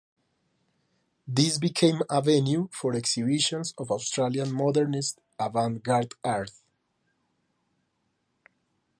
This became a venue for exhibitions of Australian Modernist avant garde art.